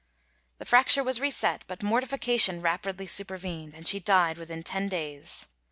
The fracture was reset, but mortification rapidly supervened, and she died within ten days.